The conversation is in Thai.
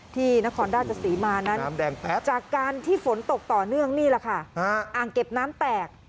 นครราชศรีมานั้นจากการที่ฝนตกต่อเนื่องนี่แหละค่ะอ่างเก็บน้ำแตก